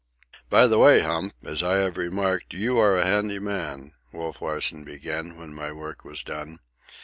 "By the way, Hump, as I have remarked, you are a handy man," Wolf Larsen began, when my work was done.